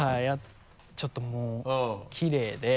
ちょっともうきれいで。